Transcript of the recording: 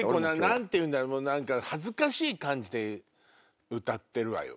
何て言うんだろう？恥ずかしい感じで歌ってるわよ。